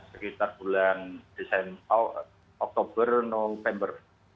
sekitar bulan desember oktober november